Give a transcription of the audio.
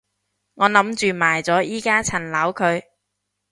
我諗住賣咗依加層樓佢